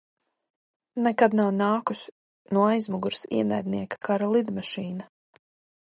Nekad nav nākusi no aizmugures ienaidnieka kara lidmašīna.